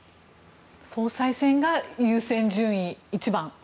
総裁選が優先順位１番。